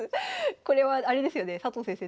これはあれですよね佐藤先生